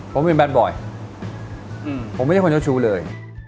ผมเป็นแบบบ่อยอืมผมไม่ได้คนเจ้าชู้เลย